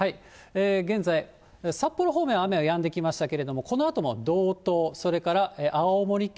現在、札幌方面は雨はやんできましたけれども、このあとも道東、それから青森県、